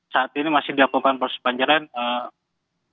saat ini masih dilakukan proses pencarian